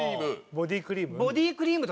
ボディークリーム？